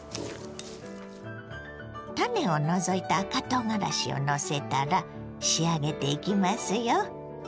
種を除いた赤とうがらしをのせたら仕上げていきますよ。